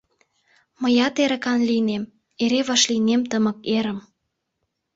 Мыят эрыкан лийнем. Эре вашлийнем тымык эрым.